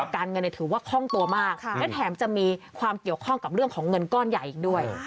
การเงินถือว่าคล่องตัวมากและแถมจะมีความเกี่ยวข้องกับเรื่องของเงินก้อนใหญ่อีกด้วย